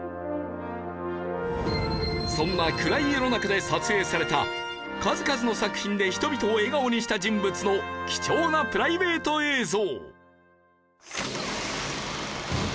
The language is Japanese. そんな暗い世の中で撮影された数々の作品で人々を笑顔にした人物の貴重なプライベート映像。